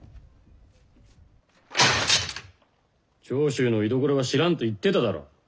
長州の居所は知らんと言ってただろう？